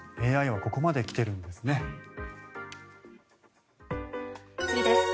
ＡＩはここまで来ているんですね。